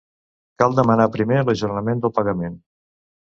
Cal demanar primer l'ajornament del pagament.